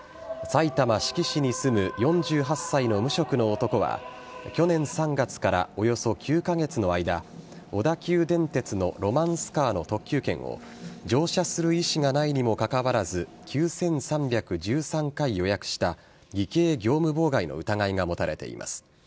埼玉・志木市に住む４８歳の無職の男は去年３月からおよそ９カ月の間小田急電鉄のロマンスカーの特急券を乗車する意思がないにもかかわらず９３１３回予約した偽計業務妨害の疑いが持たれています。